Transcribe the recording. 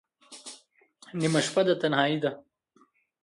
نیمه شپه ده تنهایی ده